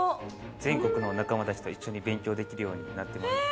全国の仲間たちと一緒に勉強できるようになってます。